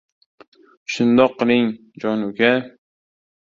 Shundoq qiling, jon uka.